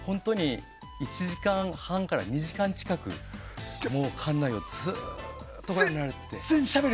１時間半から２時間近く館内をずっとご覧になられて。